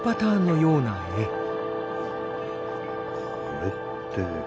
これって。